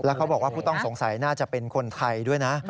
เขาบอกว่าผู้ต้องสงสัยน่าจะเป็นคนไทยด้วยนะ